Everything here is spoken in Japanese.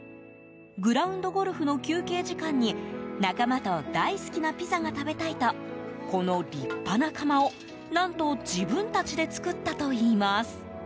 グラウンドゴルフの休憩時間に仲間と大好きなピザが食べたいとこの立派な窯を、何と自分たちで作ったといいます。